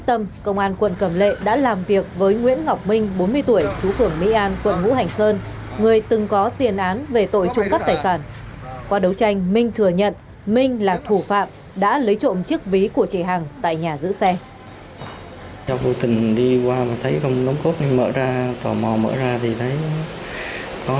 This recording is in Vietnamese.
tâm là đối tượng từng có hai tiền án về các tội trộm cắp tài sản và tiêu thụ tài sản do người khác phạm tội mà có